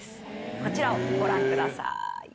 こちらをご覧ください。